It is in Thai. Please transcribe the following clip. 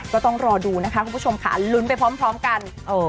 ก็ต้องรอดูนะคะคุณผู้ชมค่ะลุ้นไปพร้อมกัน